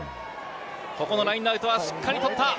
ここのラインアウトはしっかりとった。